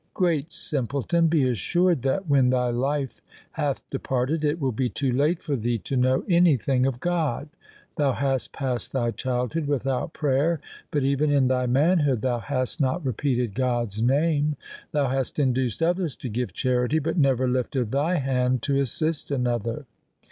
Great simpleton, be assured that, when thy life hath departed, it will be too late for thee to know anything of God. Thou hast passed thy childhood without prayer, but even in thy manhood thou hast not repeated God's name. Thou hast induced others to give charity, but never lifted thy hand to assist another.